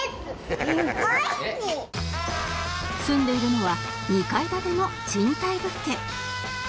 住んでいるのは２階建ての賃貸物件